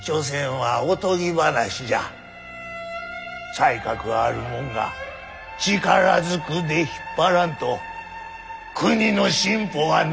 才覚あるもんが力ずくで引っ張らんと国の進歩はないき。